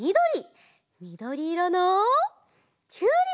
みどりいろのきゅうり！